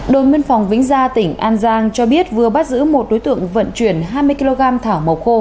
đồn biên phòng vĩnh gia tỉnh an giang cho biết vừa bắt giữ một đối tượng vận chuyển hai mươi kg thảo màu khô